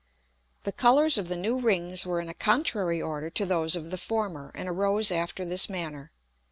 The Colours of the new Rings were in a contrary order to those of the former, and arose after this manner.